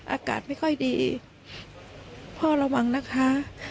อากาศไม่ค่อยดีพ่อระวังนะคะ